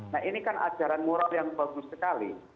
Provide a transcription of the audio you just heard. nah ini kan ajaran moral yang bagus sekali